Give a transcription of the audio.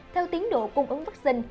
theo tiến độ cung ứng vaccine